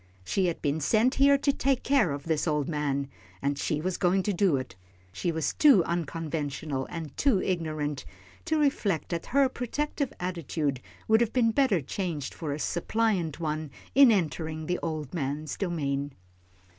She had been sent here to take care of this old man, and she was going to do it. She was too unconventional, and too ignorant, to reflect that her protective attitude would have been better changed for a suppliant one in entering the old man's domain.